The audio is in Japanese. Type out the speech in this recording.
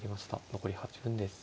残り８分です。